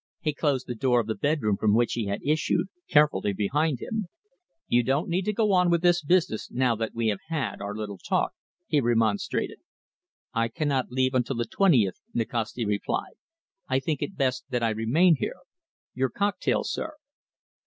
He closed the door of the bedroom from which he had issued carefully behind him. "You don't need to go on with this business now that we have had our little talk," he remonstrated. "I cannot leave until the twentieth," Nikasti replied. "I think it best that I remain here. Your cocktail, sir."